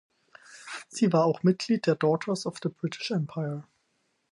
Sie war auch Mitglied der Daughters of the British Empire.